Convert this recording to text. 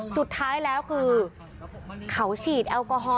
สุดท้ายแล้วคือเขาฉีดแอลกอฮอล